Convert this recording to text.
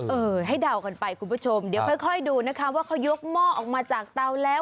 เออให้เดากันไปคุณผู้ชมเดี๋ยวค่อยดูนะคะว่าเขายกหม้อออกมาจากเตาแล้ว